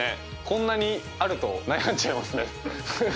こんなにあると悩んじゃいますねフフフ。